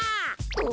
お。